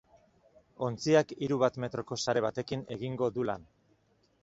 Ontziak hiru bat metroko sare batekin egingo du lan.